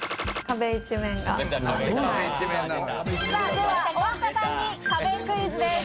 では太田さんに壁クイズです。